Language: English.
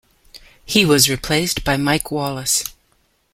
He was replaced by Mike Wallace.